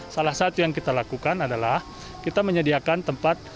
salah satu yang kita lakukan adalah kita menyediakan tempat